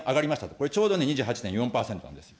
これちょうど２８．４％なんですよ。